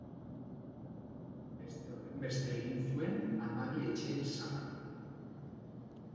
Beste horrenbeste egin zuen Hamabi etxeen sagan.